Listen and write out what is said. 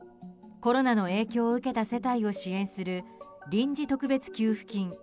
コロナの影響を受けた世帯を支援する臨時特別給付金。